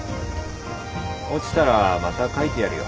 落ちたらまた書いてやるよ。